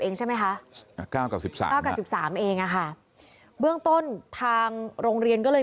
เองใช่ไหมคะ๙กับ๑๓๙กับ๑๓เองอะค่ะเบื้องต้นทางโรงเรียนก็เลย